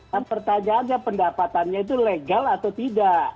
dan pertanyaannya pendapatannya itu legal atau tidak